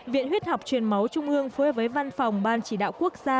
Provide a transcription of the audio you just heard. viện huyết học truyền máu trung ương phối hợp với văn phòng ban chỉ đạo quốc gia